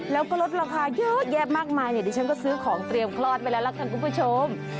แล้วก็ลดราคาเยอะแยะมากมายเนี่ยดิฉันก็ซื้อของเตรียมคลอดไปแล้วละกันคุณผู้ชม